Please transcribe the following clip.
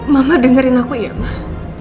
mama dengerin aku ya mah